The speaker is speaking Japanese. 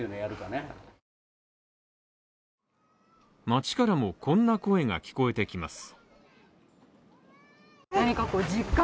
街からもこんな声が聞こえてきます。